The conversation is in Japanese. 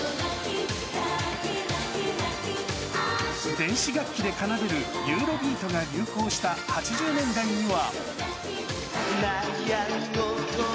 電子楽器で奏でるユーロビートが流行した８０年代には。